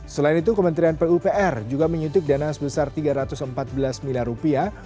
selain itu kementerian pupr juga menyuntik dana sebesar tiga ratus empat belas miliar rupiah